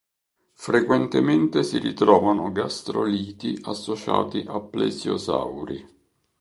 Frequentemente si ritrovano gastroliti associati ai plesiosauri.